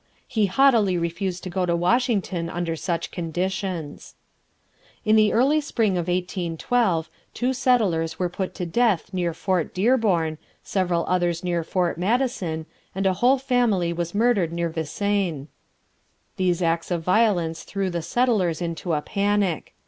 He haughtily refused to go to Washington under such conditions. In the early spring of 1812 two settlers were put to death near Fort Dearborn, several others near Fort Madison, and a whole family was murdered near Vincennes. These acts of violence threw the settlers into a panic.